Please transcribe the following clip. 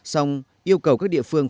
xong yêu cầu các địa phương